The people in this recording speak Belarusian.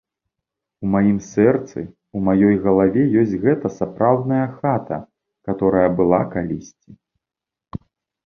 У маім сэрцы, у маёй галаве ёсць гэта сапраўдная хата, каторая была калісьці.